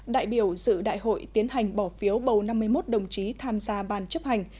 đại biểu dự đại hội tiến hành bỏ phiếu bầu năm mươi một đồng chí tham gia ban chấp hành